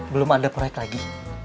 belum ada proyek lagi